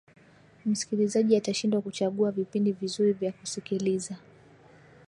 msikilizaji atashindwa kuchagua vipindi vizuri vya kusikiliza